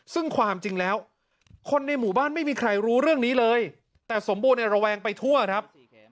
ซึ่งความจริงแล้วคนในหมู่บ้านไม่มีใครรู้เรื่องนี้เลยแต่สมบูรณ์ในระแวงไปทั่วครับ